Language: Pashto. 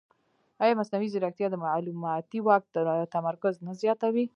ایا مصنوعي ځیرکتیا د معلوماتي واک تمرکز نه زیاتوي؟